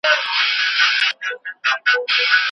ولي ځيني هیوادونه نړیوال سازمان نه مني؟